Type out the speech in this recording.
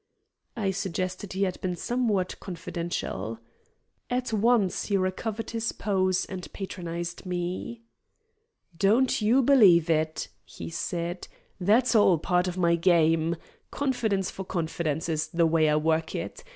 I suggested he had been somewhat confidential. At once he recovered his pose and patronized me. "Don't you believe it," he said. "That's all part of my game. 'Confidence for confidence' is the way I work it.